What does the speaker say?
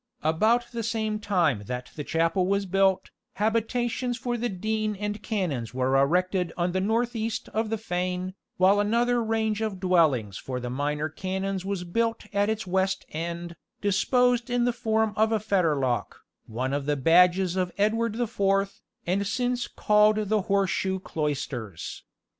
About the same time that the chapel was built, habitations for the dean and canons were erected on the north east of the fane, while another range of dwellings for the minor canons was built at its west end, disposed in the form of a fetterlock, one of the badges of Edward the Fourth, and since called the Horse shoe Cloisters.